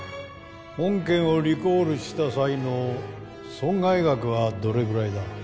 本件をリコールした際の損害額はどれぐらいだ？